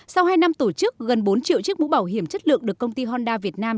sau hai năm tổ chức gần bốn triệu chiếc mũ bảo hiểm chất lượng được công ty honda việt nam